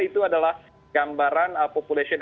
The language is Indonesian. itu adalah gambaran population